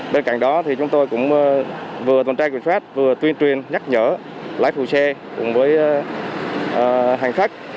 bên cạnh đó chúng tôi cũng vừa tuần trai quyền phát vừa tuyên truyền nhắc nhở lái phụ xe cùng với hành khách